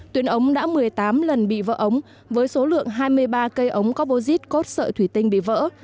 tuyến ống đã một mươi tám lần bị vỡ ống với số lượng hai mươi ba cây ống có bô dít cốt sợi thủy tinh bị vỡ